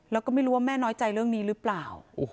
แล้วก็ไม่รู้ว่าแม่น้อยใจเรื่องนี้หรือเปล่า